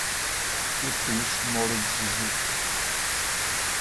Beatriz Moura de Jesus